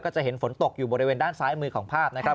จะเห็นฝนตกอยู่บริเวณด้านซ้ายมือของภาพนะครับ